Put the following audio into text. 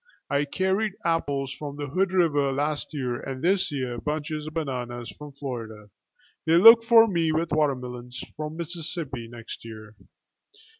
I carried apples from the Hood river last year and this year bunches of bananas from Florida; they look for me with watermelons from Mississippi next year.